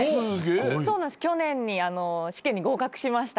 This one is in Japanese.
去年に試験に合格しました。